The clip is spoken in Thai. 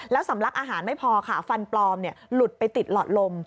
แล้วสำลักอาหารไม่พอค่ะฟันปลอมหลุดไปติดหลอดลม